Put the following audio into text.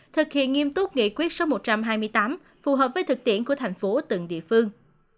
thực hiện nghiêm túc nghị quyết số một trăm hai mươi tám phù hợp với thực tiễn của thành phố từng địa phương